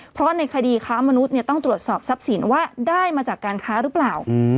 เพราะในคดีค้ามนุษย์ต้องตรวจสอบทรัพย์สินว่าได้มาจากการค้าหรือเปล่า